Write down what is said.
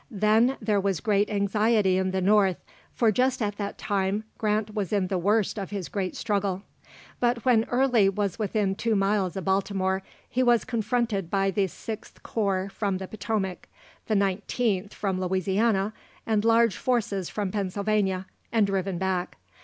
Then there was great anxiety in the North, for just at that time Grant was in the worst of his great struggle. But when Early was within two miles of Baltimore, he was confronted by the 6th Corps from the Potomac, the 19th from Louisiana, and large forces from Pennsylvania, and driven back.